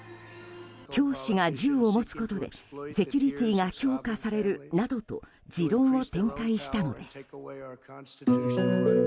教師が銃を持つことでセキュリティーが強化されるなどと持論を展開したのです。